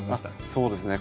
そうですね。